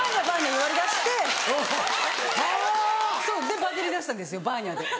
でバズりだしたんですよバーニャで。